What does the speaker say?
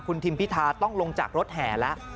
คุณทิมพิธาต้องลงจากรถแห่แล้ว